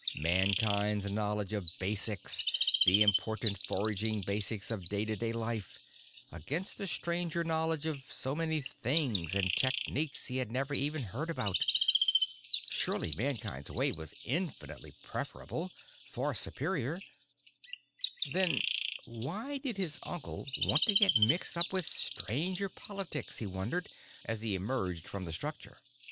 Mankind's knowledge of basics, the important foraging basics of day to day life, against the Stranger knowledge of so many things and techniques he had never even heard about. Surely Mankind's way was infinitely preferable, far superior? Then why did his uncle want to get mixed up with Stranger politics, he wondered, as he emerged from the structure?